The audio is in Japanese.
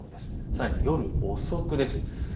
さらに夜遅くです。